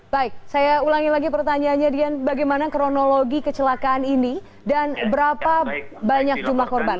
baik saya ulangi lagi pertanyaannya dian bagaimana kronologi kecelakaan ini dan berapa banyak jumlah korban